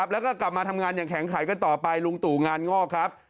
แล้วก็กลับมาทำงานอย่างแข็งขายกันต่อไปลุงตู่งานงอกครับ